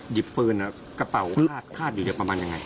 หยิบปืนครับกระเป๋าคาดอยู่อย่างประมาณยังไง